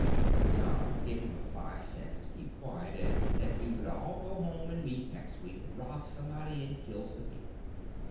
But Tom give him five cents to keep quiet, and said we would all go home and meet next week, and rob somebody and kill some people.